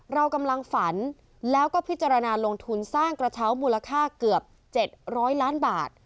เรากำลังฝันแล้วก็พิจารณาลงทุนสร้างกระเช้ามูลค่าเกือบ๗๐๐ล้านบาท